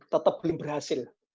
tetap belum berhasil